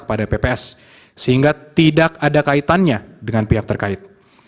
kepada pps sehingga tidak ada kaitannya dengan pihak terkait